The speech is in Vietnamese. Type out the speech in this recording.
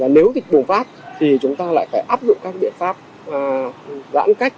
nếu dịch bùng phát thì chúng ta lại phải áp dụng các biện pháp giãn cách